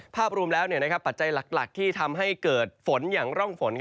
ภาพรวมแล้วปัจจัยหลักที่ทำให้เกิดฝนอย่างร่องฝน